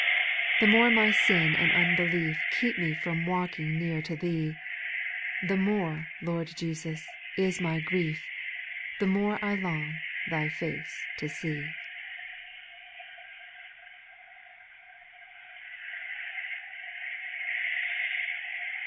) 6. The more my sin and unbelief Keep me from walking near to Thee, The more, Lord Jesus, is my grief — The more I long Thy face to see.